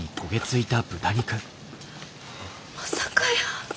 まさかやー。